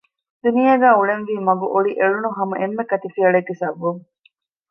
ދުނިޔޭގައި އުޅެންވީ މަގު އޮޅި އެޅުނު ހަމަ އެންމެ ކަތިފިޔަވަޅެއްގެ ސަބަބުން